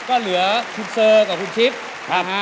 ก็เหลือคุณเซอร์กับคุณชิปนะฮะ